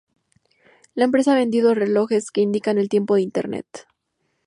La empresa ha vendido relojes que indican el Tiempo de Internet.